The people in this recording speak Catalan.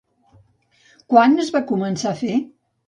Quan es van començar a fer?